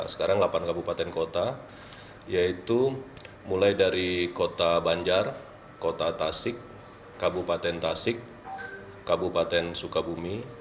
sekarang delapan kabupaten kota yaitu mulai dari kota banjar kota tasik kabupaten tasik kabupaten sukabumi